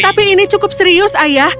tapi ini cukup serius ayah